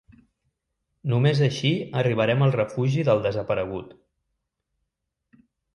Només així arribarem al refugi del desaparegut.